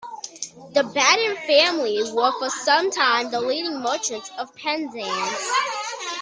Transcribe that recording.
The Batten family were for some time the leading merchants of Penzance.